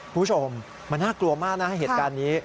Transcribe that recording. คุณผู้ชมมันน่ากลัวมากนะเหตุการณ์นี้